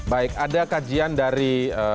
baik ada kajian dari